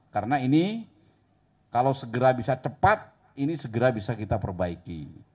karena ini kalau segera bisa cepat ini segera bisa kita perbaiki